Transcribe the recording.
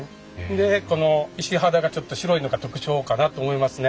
でこの石肌がちょっと白いのが特徴かなと思いますね。